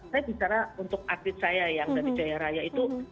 saya bicara untuk atlet saya yang dari jaya raya itu